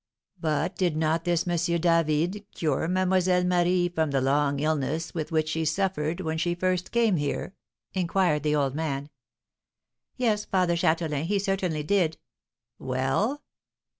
"But did not this Monsieur David cure Mlle. Marie from the long illness with which she suffered when she first came here?" inquired the old man. "Yes, Father Châtelain, he certainly did." "Well?"